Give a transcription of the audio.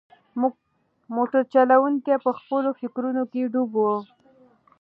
موټر چلونکی په خپلو فکرونو کې ډوب و.